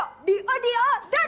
semoga aku ya semangatnya